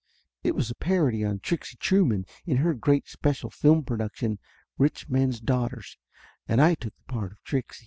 It was a parody on Trixie Trueman in her great special film production Rich Men's Daughters, and I took the part of Trixie.